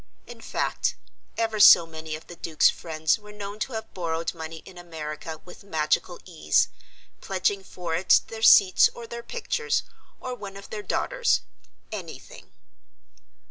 In fact, ever so many of the Duke's friends were known to have borrowed money in America with magical ease, pledging for it their seats or their pictures, or one of their daughters anything.